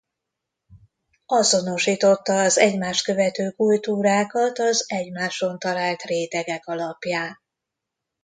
Azonosította az egymást követő kultúrákat az egymáson talált rétegek alapján.